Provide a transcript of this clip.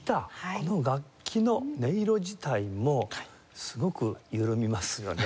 この楽器の音色自体もすごく緩みますよね。